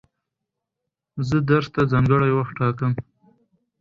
زه درس ته ځانګړی وخت ټاکم.